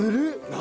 何？